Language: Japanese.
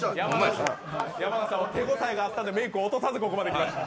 山名さんは手応えがあったんでメーク落とさず来ました。